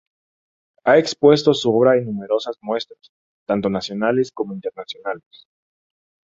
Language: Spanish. Ha expuesto su obra en numerosas muestras, tanto nacionales como internacionales.